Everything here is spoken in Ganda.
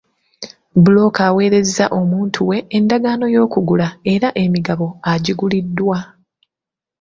Bbulooka aweereza omuntu we endagaano y'okugula eraga emigabo egiguliddwa.